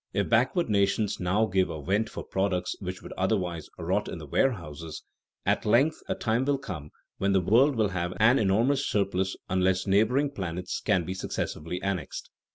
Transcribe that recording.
If backward nations now give a vent for products which would otherwise rot in the warehouses, at length a time will come when the world will have an enormous surplus unless neighboring planets can be successively annexed.